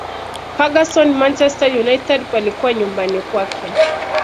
ferguson manchester united palikuwa nyumbani kwake